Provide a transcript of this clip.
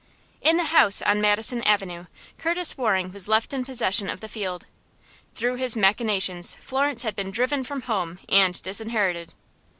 In the house on Madison Avenue, Curtis Waring was left in possession of the field. Through his machinations Florence had been driven from home and disinherited.